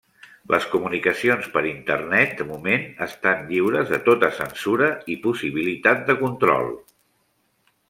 Les comunicacions per Internet de moment estan lliures de tota censura i possibilitat de control.